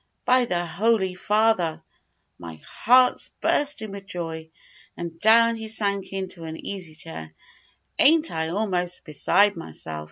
By the holy father! my heart's bursting with joy," and down he sank into an easy chair "A'n't I almost beside myself?"